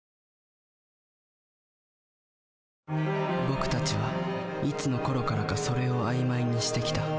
僕たちはいつのころからか「それ」を曖昧にしてきた。